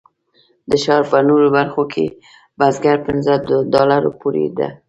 د ښار په نورو برخو کې برګر پنځه ډالرو پورې دي.